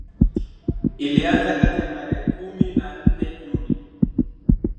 ilianza kazi tarehe kumi na nne juni